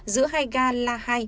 giữa hai ga la hai